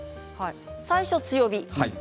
最初は強火。